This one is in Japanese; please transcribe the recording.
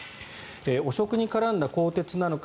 汚職に絡んだ鋼鉄なのか